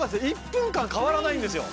１分間変わらないんですよ。